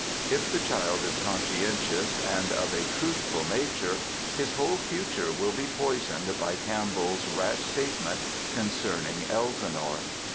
If the child is conscientious, and of a truthful nature, his whole future will be poisoned by CampbelPs rash statement concerning Elsinore.